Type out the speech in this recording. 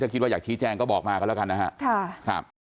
คิดว่าอยากชี้แจ้งก็บอกมากันแล้วกันนะครับ